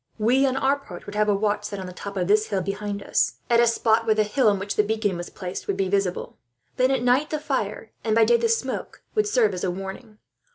"We, on our part, would have a watch set on the top of this hill behind us; at a spot where the hill on which the beacon was placed would be visible. Then at night the fire, and by day the smoke would serve as a warning.